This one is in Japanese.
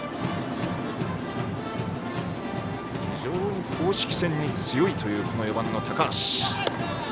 非常に公式戦に強いという４番の高橋。